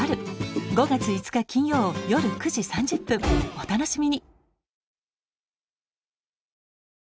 お楽しみに！